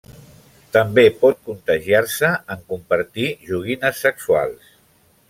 També pot contagiar-se en compartir joguines sexuals.